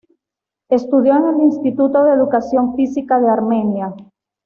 Estudió en el Instituto de educación física de Armenia.